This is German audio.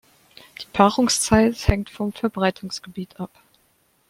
Die Paarungszeit hängt vom Verbreitungsgebiet ab.